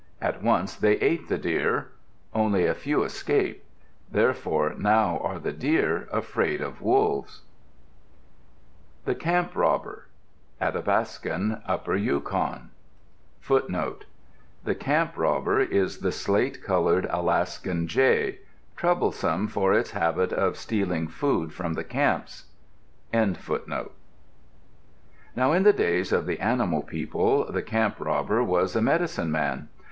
At once they ate the Deer. Only a few escaped. Therefore now are the Deer afraid of Wolves. THE CAMP ROBBER Athapascan (Upper Yukon) The camp robber is the slate colored Alaskan jay, troublesome for its habit of stealing food from the camps. Now in the days of the animal people, the camp robber was a medicine man.